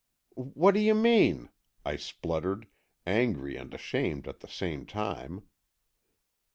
"What do you mean?" I spluttered, angry and ashamed at the same time.